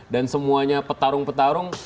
dan semuanya petarung petarung